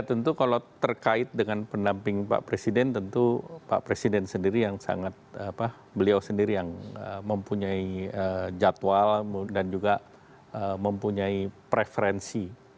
tentu kalau terkait dengan pendamping pak presiden tentu pak presiden sendiri yang sangat beliau sendiri yang mempunyai jadwal dan juga mempunyai preferensi